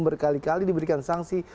berkali kali diberikan sanksi